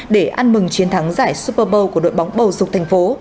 để ăn mừng chiến thắng giải super bowl của đội bóng bầu dục thành phố